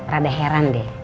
rada heran deh